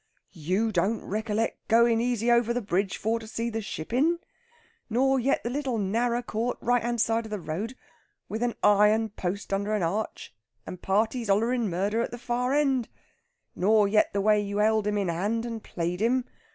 'You don't rec'lect goin' easy over the bridge for to see the shipping? Nor yet the little narrer court right hand side of the road, with an iron post under an arch and parties hollerin' murder at the far end? Nor yet the way you held him in hand and played him?